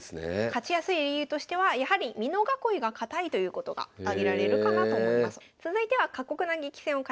勝ちやすい理由としてはやはりということが挙げられるかなと思います。